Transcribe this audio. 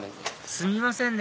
すみませんね